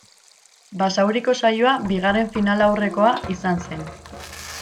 Basauriko saioa bigarren finalaurrekoa izan zen.